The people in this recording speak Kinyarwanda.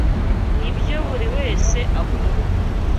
Nibyo buri wese akora.